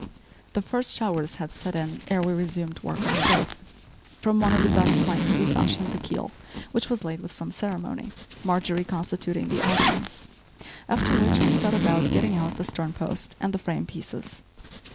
The first showers had set in ere we resumed work on the boat. From one of the best planks we fashioned the keel, which was laid with some ceremony, Marjorie constituting the audience; after which we set about getting out the stern post and the frame pieces.